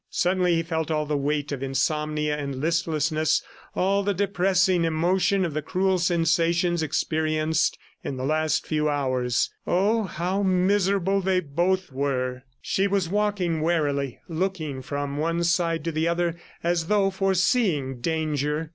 Suddenly he felt all the weight of insomnia and listlessness, all the depressing emotion of the cruel sensations experienced in the last few hours. Oh, how miserable they both were! ... She was walking warily, looking from one side to the other, as though foreseeing danger.